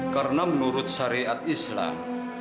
karena menurut syariat islam